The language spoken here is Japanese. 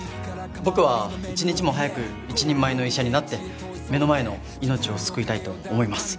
僕は一日も早く一人前の医者になって目の前の命を救いたいと思います。